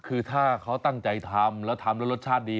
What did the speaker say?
คือถ้าเขาตั้งใจทำแล้วทำแล้วรสชาติดี